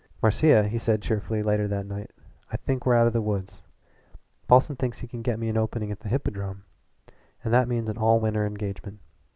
"Marcia," he said cheerfully later that same night, "I think we're out of the woods. Paulson thinks he can get me an opening at the Hippodrome, and that means an all winter engagement.